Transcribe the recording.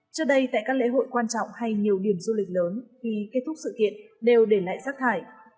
trước đây tại các lễ hội quan trọng hay nhiều điểm du lịch lớn khi kết thúc sự kiện đều để lại rác thải